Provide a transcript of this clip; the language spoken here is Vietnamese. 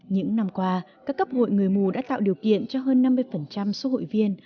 những năm qua các cấp hội người mù đã tạo điều kiện cho hơn năm mươi số hội viên